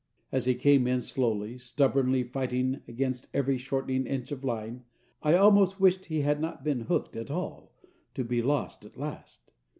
As he came in slowly, stubbornly fighting against every shortening inch of line, I almost wished he had not been hooked at all only to be lost at last.